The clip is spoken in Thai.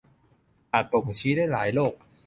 อาจบ่งชี้ได้หลายโรค